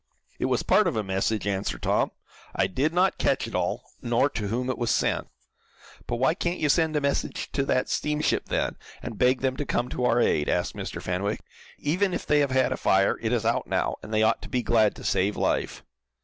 "It was part of a message," answered Tom. "I did not catch it all, nor to whom it was sent." "But why can't you send a message to that steamship then, and beg them to come to our aid?" asked Mr. Fenwick. "Even if they have had a fire, it is out now, and they ought to be glad to save life."